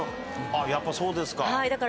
やっぱそうですか。